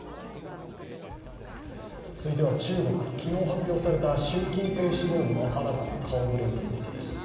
続いては中国、昨日発表された習近平指導部の新たな顔ぶれについてです。